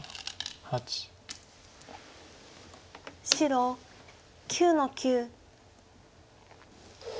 白９の九。